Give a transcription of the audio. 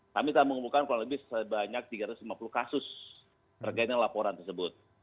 kami telah mengumumkan kurang lebih sebanyak tiga ratus lima puluh kasus terkait dengan laporan tersebut